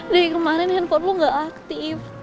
dari kemarin handphone lo gak aktif